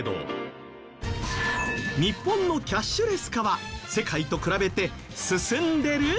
日本のキャッシュレス化は世界と比べて進んでる？